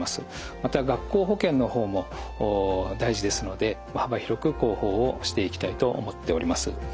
また学校保健の方も大事ですので幅広く広報をしていきたいと思っております。